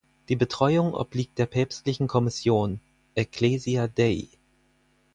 Ihre Betreuung obliegt der päpstlichen Kommission "Ecclesia Dei".